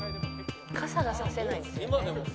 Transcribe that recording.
「傘が差せないんですよね」